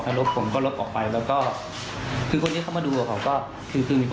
ในคอมพิวเตอร์ตรงนี้มันจะมี